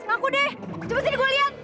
aku deh coba sini gue liat